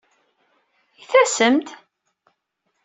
I tasem-d?